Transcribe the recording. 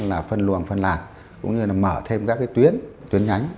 là phân luồng phân làng cũng như là mở thêm các cái tuyến tuyến nhánh